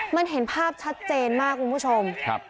มันเห็นภาพชัดเจนมากคุณผู้ชม